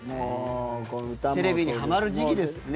テレビにはまる時期ですね。